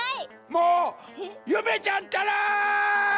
もうゆめちゃんったら！